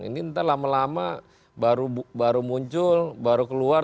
ini entah lama lama baru muncul baru keluar